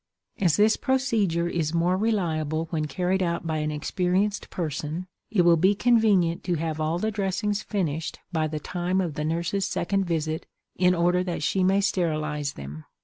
As this procedure is more reliable when carried out by an experienced person it will be convenient to have all the dressings finished by the time of the nurse's second visit, in order that she may sterilize them.